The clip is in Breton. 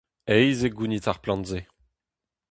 Aes eo gounit ar plant-se.